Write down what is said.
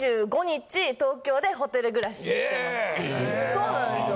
そうなんですよ。